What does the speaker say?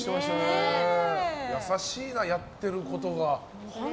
優しいな、やってることが。